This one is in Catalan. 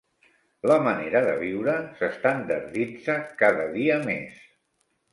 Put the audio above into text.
La manera de viure s'estandarditza cada dia més.